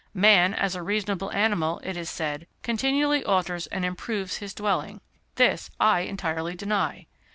Man, as a reasonable animal, it is said, continually alters and improves his dwelling. This I entirely deny.